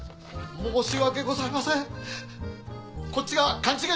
申し訳ございません。